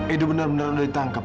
ini benar benar udah ditangkap